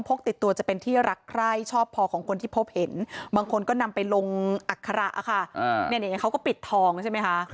อักษระอะค่ะเนี่ยเนี่ยเขาก็ปิดทองใช่ไหมค่ะ